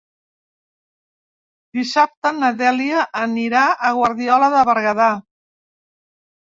Dissabte na Dèlia anirà a Guardiola de Berguedà.